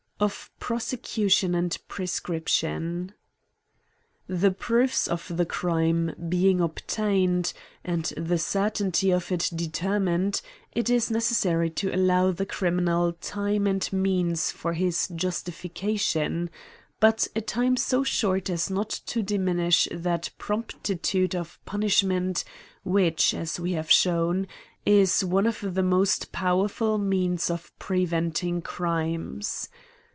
Of Frosecution and Prescription, THE proofs of the crime being obtained, and the certainty of it determined, it is necessary to allow the criminal time and means for his justifica tion ; but a time so short as not to diminish that promptitude of punishment, which^ as we have shewn, is one of the most powerful means of pre ventmg crimes.